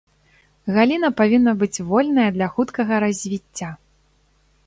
Галіна павінна быць вольная для хуткага развіцця.